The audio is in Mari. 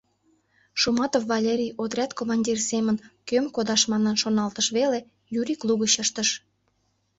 Шуматов Валерий отряд командир семын, кӧм кодаш манын шоналтыш веле, Юрик лугыч ыштыш: